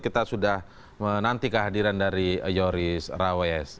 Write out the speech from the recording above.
kita sudah menanti kehadiran dari yoris rawees